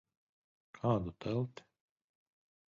Kādu telti?